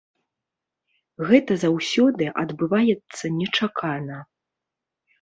Гэта заўсёды адбываецца нечакана.